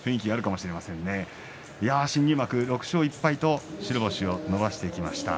新入幕６勝１敗と白星を伸ばしていきました。